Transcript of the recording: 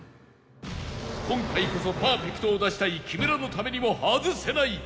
今回こそパーフェクトを出したい木村のためにも外せない！